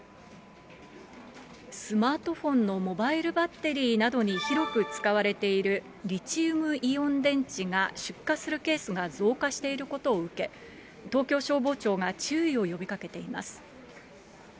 スマートフォンのモバイルバッテリーなどに広く使われているリチウムイオン電池が出火するケースが増加していることを受け、東京消防庁が注意を呼びかけています。